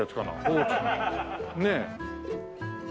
ねえ。